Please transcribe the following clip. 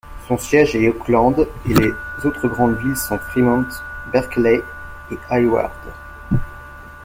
Son siège est Oakland et les autres grandes villes sont Fremont, Berkeley et Hayward.